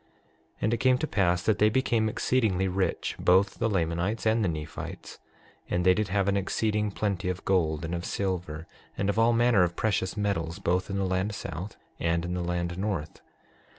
6:9 And it came to pass that they became exceedingly rich, both the Lamanites and the Nephites; and they did have an exceeding plenty of gold, and of silver, and of all manner of precious metals, both in the land south and in the land north.